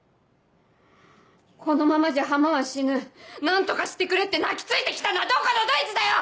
このままじゃ浜は死ぬ何とかしてくれって泣き付いて来たのはどこのどいつだよ